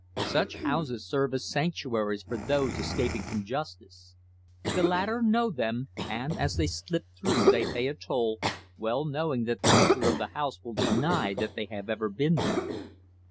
Such houses serve as sanctuaries for those escaping from justice. The latter know them, and as they slip through they pay a toll, well knowing that the keeper of the house will deny that they have ever been there.